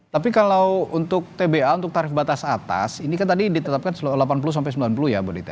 tapi kalau untuk tba untuk tarif batas atas ini kan tadi ditetapkan rp delapan puluh sampai sembilan puluh ya bu deta